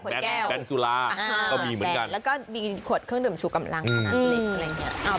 แก้วแกงสุราก็มีเหมือนกันแล้วก็มีขวดเครื่องดื่มชูกำลังขนาดเล็กอะไรอย่างนี้